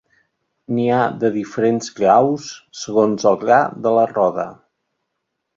N'hi ha de diferents graus, segons el gra de la roda.